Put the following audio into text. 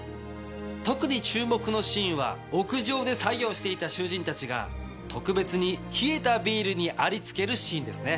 特に注目のシーンは屋上で作業していた囚人たちが特別に冷えたビールにありつけるシーンですね。